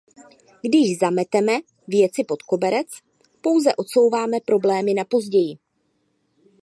Když zameteme věci pod koberec, pouze odsouváme problémy na později.